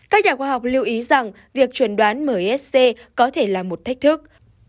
các nhà khoa học lưu ý rằng việc chuẩn đoán msc có thể là một thách thức